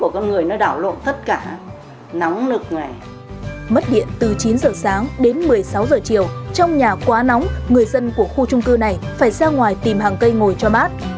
mất điện từ chín giờ sáng đến một mươi sáu giờ chiều trong nhà quá nóng người dân của khu trung cư này phải ra ngoài tìm hàng cây ngồi cho bát